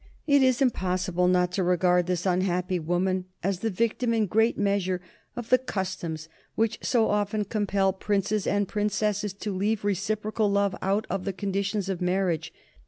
It is impossible not to regard this unhappy woman as the victim, in great measure, of the customs which so often compel princes and princesses to leave reciprocal love out of the conditions of marriage.